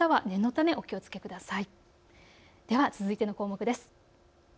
では続いての項目です。